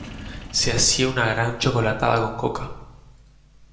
Se hacía una gran chocolatada con coca.